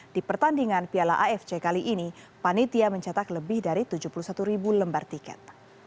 di pertandingan piala afc kali ini panitia mencetak lebih dari tujuh puluh satu ribu lembar tiket